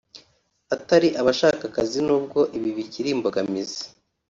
atari abashaka akazi n’ubwo ibi bikiri imbogamizi